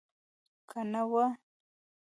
که نه وه.